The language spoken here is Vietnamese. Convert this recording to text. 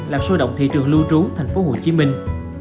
làm sôi động thị trường lưu trú thành phố hồ chí minh